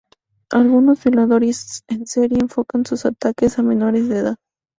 Algunos violadores en serie enfocan sus ataques a menores de edad.